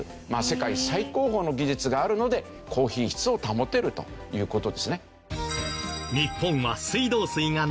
世界最高峰の技術があるので高品質を保てるという事ですね。